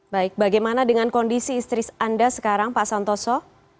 baik bagaimana dengan kondisi istri anda sekarang pak santoso